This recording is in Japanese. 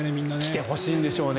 来てほしいんでしょうね。